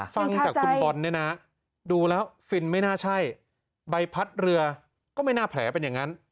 ฟังจากคุณบอลเนี่ยนะดูแล้วฟินไม่น่าใช่ใบพัดเรือก็ไม่น่าแผลเป็นอย่างนั้น